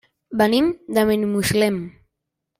Venim de Benimuslem.